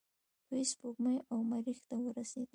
دوی سپوږمۍ او مریخ ته ورسیدل.